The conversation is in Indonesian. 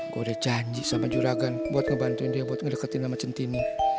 gue udah janji sama juragan buat ngebantuin dia buat ngedekatin nama centini